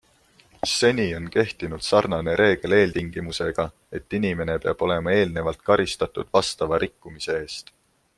Seni on kehtinud sarnane reegel eeltingimusega, et inimene peab olema eelnevalt karistatud vastava rikkumise eest.